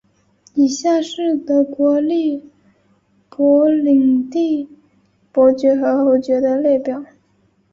以下是德国利珀领地伯爵和侯爵的列表。